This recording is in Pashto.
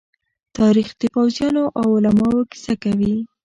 تاریخ د پوځيانو او علماءو کيسه کوي.